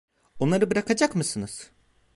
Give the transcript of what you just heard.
Onları bırakacak mısınız?